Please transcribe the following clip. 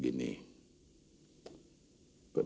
entah ke jam dua puluh